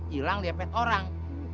hilang diapet orang